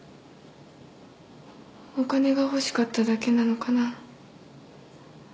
お金が欲しかっただけなのかな？